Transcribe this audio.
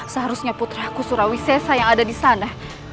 seharusnya putraku surawi sesa yang ada di sana